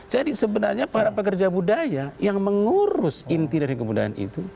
jadi sebenarnya para pekerja budaya yang mengurus inti dari kebudayaan itu